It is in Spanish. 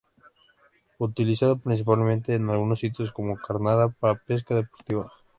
Utilizado principalmente en algunos sitios como carnada para pesca deportiva.